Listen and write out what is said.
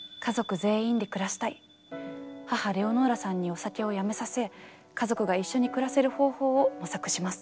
母レオノーラさんにお酒をやめさせ家族が一緒に暮らせる方法を模索します。